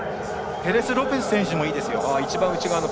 ペレスロペス選手もいいです。